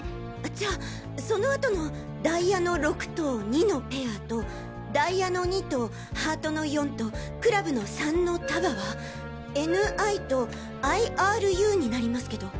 じゃあその後のダイヤの６と２のペアとダイヤの２とハートの４とクラブの３の束は「ＮＩ」と「ＩＲＵ」になりますけど。